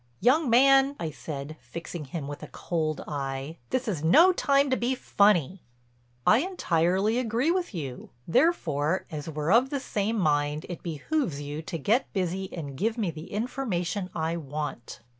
"Young man," I said, fixing him with a cold eye, "this is no time to be funny." "I entirely agree with you. Therefore as we're of the same mind it behooves you to get busy and give me the information I want."